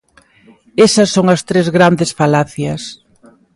Esa son as tres grandes falacias.